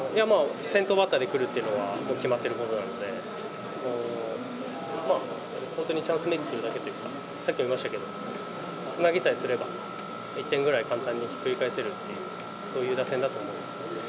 先頭バッターで来るというのは決まってることなので、本当にチャンスメイクするだけというか、さっきも言いましたけど、つなぎさえすれば、１点ぐらい簡単にひっくり返せるっていう、そういう打線だったので。